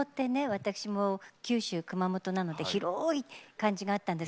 私も九州・熊本なので広い感じがあったんです。